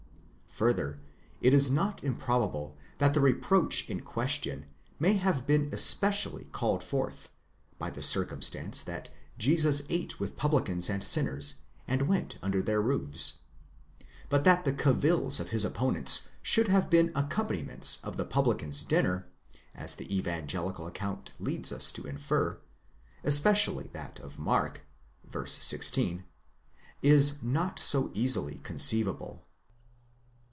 Further, it is not improbable that the reproach in question may have been especially called forth, by the circumstance that Jesus ate with publicans and sinners, and went under their roofs. But that the cavils of his opponents should have been accompaniments of the publican's dinner, as the evangelical account leads us to infer, especially that of Mark (ν. 16), is not so easily conceivable.